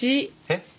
えっ？